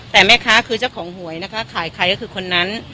แต่แม่ค้าคือเจ้าของหวยนะคะขายใครก็คือคนนั้น